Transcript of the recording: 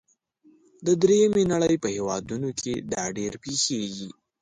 د دریمې نړۍ په هیوادونو کې دا ډیر پیښیږي.